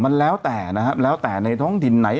มันแล้วแต่นะครับแล้วแต่ในท้องถิ่นไหน